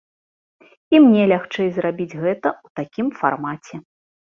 І мне лягчэй зрабіць гэта ў такім фармаце.